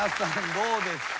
どうですか？